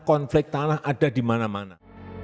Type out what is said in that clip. konflik tanah ada di mana mana